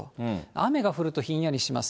雨が降るとひんやりします。